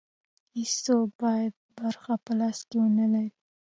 هېڅوک باید برخه په لاس کې ونه لري.